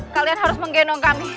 kalian harus menggenong kami